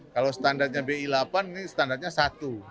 kalau standarnya bi delapan ini standarnya satu